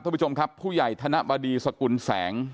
ทุกผู้ชมครับผู้ใหญ่ธนบดีสกุลแสง